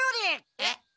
えっ？